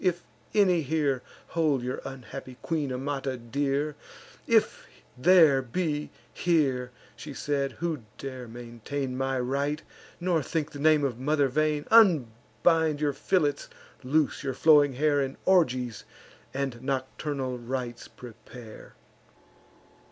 if any here Hold your unhappy queen, Amata, dear; If there be here," she said, "who dare maintain My right, nor think the name of mother vain; Unbind your fillets, loose your flowing hair, And orgies and nocturnal rites prepare."